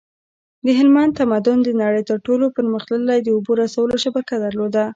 د هلمند تمدن د نړۍ تر ټولو پرمختللی د اوبو رسولو شبکه درلوده